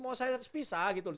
mau saya sepisah gitu